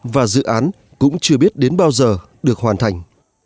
và dự án cũng chưa biết đến bao giờ được hoàn thành